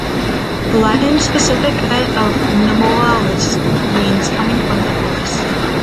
The Latin specific epithet of "nemoralis" means coming from the forest.